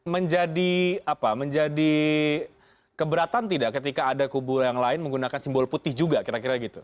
menjadi apa menjadi keberatan tidak ketika ada kubu yang lain menggunakan simbol putih juga kira kira gitu